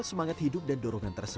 semakin banyak relasi